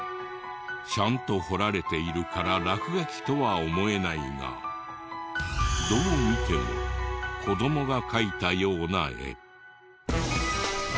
ちゃんと彫られているから落書きとは思えないがどう見ても子どもが描いたような絵。